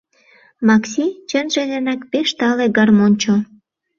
Макси, чынже денак, пеш тале гармоньчо.